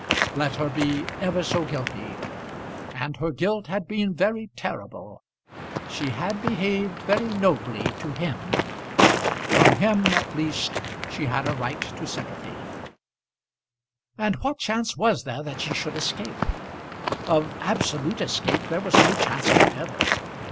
Let her be ever so guilty, and her guilt had been very terrible, she had behaved very nobly to him. From him at least she had a right to sympathy. And what chance was there that she should escape? Of absolute escape there was no chance whatever.